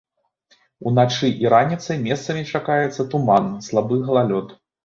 Уначы і раніцай месцамі чакаецца туман, слабы галалёд.